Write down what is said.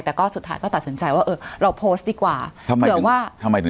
แต่ก็สุดท้ายก็ตัดสินใจว่าเราโพสต์ดีกว่าเหลือว่า